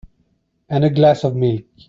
And a glass of milk.